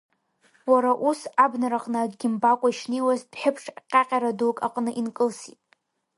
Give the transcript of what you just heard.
Уа ус абнараҟны акгьы мбакәа ишнеиуаз дәҳәыԥш ҟьаҟьара дук аҟны инкылсит.